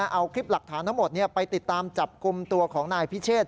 เอาคลิปหลักฐานทั้งหมดไปติดตามจับกลุ่มตัวของนายพิเชษ